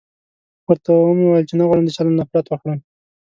ورته و مې ويل چې نه غواړم د چا له نفرت وګورم.